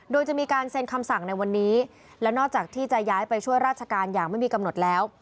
โดยจะมีการเซ็นคำสั่งในวันนี้และนอกจากที่จะย้ายไปช่วยราชการอย่างไม่มีกำหนดแล้ว